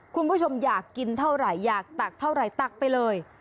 คุณผู้ชมอยากกินเท่าไหร่อยากตักเท่าไหร่ตักไปเลย